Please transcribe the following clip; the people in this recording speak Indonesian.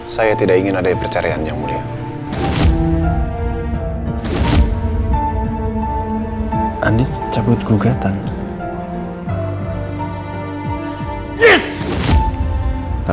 saya kesini ada hubungannya sama jesse